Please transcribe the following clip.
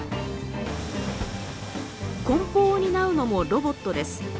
こん包を担うのもロボットです。